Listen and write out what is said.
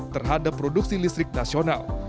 terhadap produksi listrik nasional